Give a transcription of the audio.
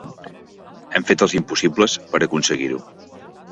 Hem fet els impossibles per aconseguir-ho.